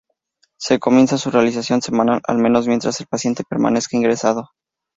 Se recomienda su realización semanal, al menos mientras el paciente permanezca ingresado.